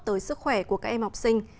tới sức khỏe của các em học sinh